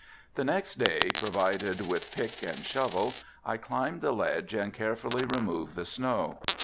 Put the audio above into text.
The next day, provided with pick and shovel, I climbed the ledge and carefully removed the snow.